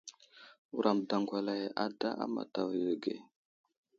Wuram daŋgwalay ada a matavo yo age.